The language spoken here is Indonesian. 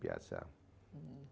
beda dengan lembaga birokrasi biasa